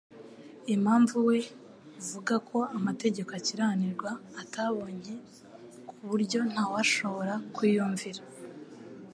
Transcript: impamvu we uvuga ko amategeko akiranirwa ataboncye, ku buryo ntawashobora kuyumvira.